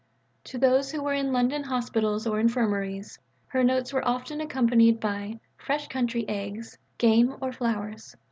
To those who were in London hospitals or infirmaries, her notes were often accompanied by "fresh country eggs," game, or flowers.